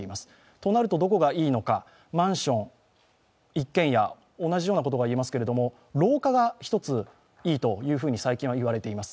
となるとどこがいいのか、マンション、一軒家、同じようなことが言えますけれども、廊下がいいと最近はいわれています。